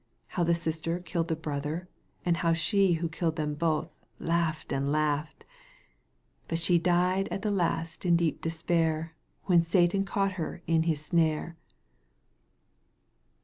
How the sister killed the brother, and how she who killed them both laughed and laughed * Bat she died at last in deep despair When Satan caught her in his snare.'